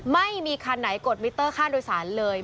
ไม่มีคันไหนกดมิเตอร์ค่าโดยสารเลย